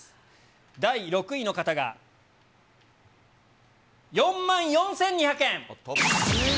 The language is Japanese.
第６位の方が４万４２００円。